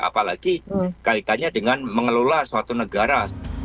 apalagi kaitannya dengan mengelola suatu negara